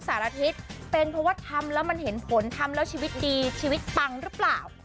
สารทิศเป็นเพราะว่าทำแล้วมันเห็นผลทำแล้วชีวิตดีชีวิตปังหรือเปล่า